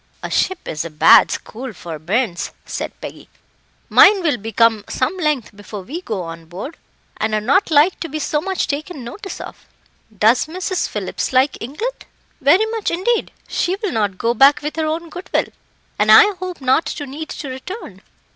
"A ship is a bad school for bairns," said Peggy. "Mine will be come some length before we go on board, and are not like to be so much taken notice of. Does Mrs. Phillips like England?" "Very much, indeed. She will not go back with her own goodwill, and I hope not to need to return."